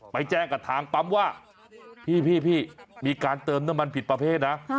ไปแจ้งกับทางปั๊มว่าพี่มีการเติมน้ำมันผิดประเภทนะ